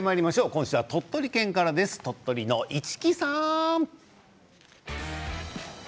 今週は鳥取県から鳥取の市来さん。